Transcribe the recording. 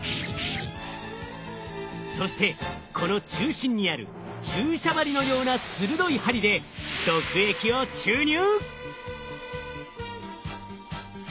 そしてこの中心にある注射針のような鋭い針で毒液を注入！